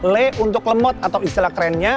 le untuk lemot atau istilah kerennya